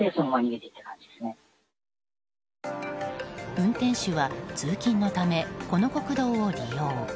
運転手は通勤のためこの国道を利用。